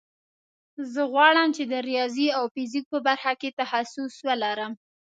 زه غواړم چې د ریاضي او فزیک په برخه کې تخصص ولرم